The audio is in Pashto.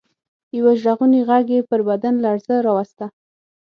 يوه ژړغوني غږ يې پر بدن لړزه راوسته.